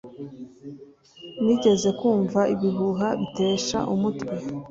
Nigeze kumva ibihuha bitesha umutwe.